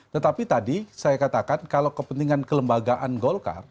tetapi tadi saya katakan kalau kepentingan kelembagaan golkar